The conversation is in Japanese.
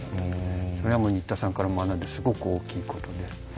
それは新田さんから学んだすごく大きいことで。